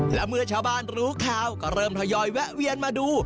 และเมื่อชาวบ้านรู้ข่าวก็เริ่มทยอยแวะเวียนมาดู